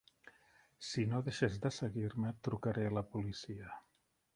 Si no deixes de seguir-me, trucaré a la policia.